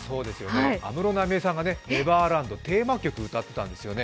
安室奈美恵さんが「ネバーランド」、テーマ曲を歌ったんですよね。